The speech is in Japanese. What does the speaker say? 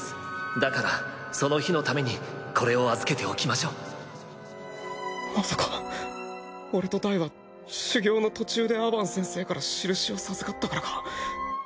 だからその日のためにこれを預けておきましょうまさか俺とダイは修行の途中でアバン先生からしるしを授かったからか？